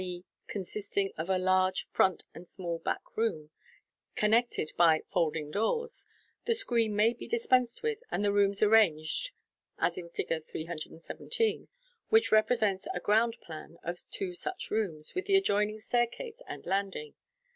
e., consisting of a large front and a small back room, connected by folding doors, the screen may be dispensed with, and the rooms arranged as in Fig. 317, which repre sents a ground plan of two such rooms, with the adjoining staircase and landing.